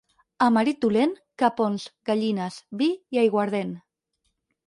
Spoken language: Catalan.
A marit dolent, capons, gallines, vi i aiguardent.